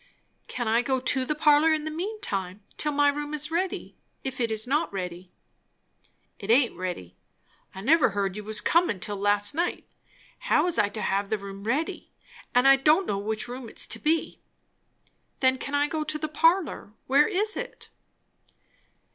"Can I go to the parlour in the mean time, till my room is ready? if it is not ready." "It aint ready. I never heerd you was comin', till last night. How was I to have the room ready? and I don' know which room it's to be." "Then can I go to the parlour? where is it?"